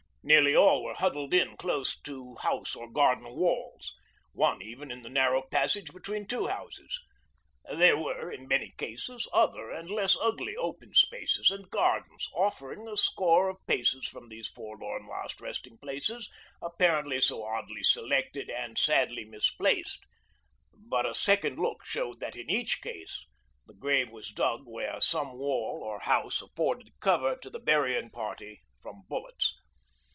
Nearly all were huddled in close to house or garden walls, one even in the narrow passage between two houses. There were, in many cases, other and less ugly open spaces and gardens offering a score of paces from these forlorn last resting places apparently so oddly selected and sadly misplaced; but a second look showed that in each case the grave was dug where some wall or house afforded cover to the burying party from bullets.